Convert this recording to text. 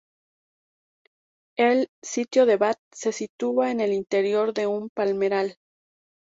El sitio de Bat se sitúa en el interior de un palmeral.